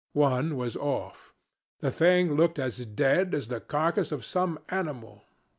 One was off. The thing looked as dead as the carcass of some animal.